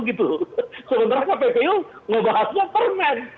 karena kppu ngebahasnya permen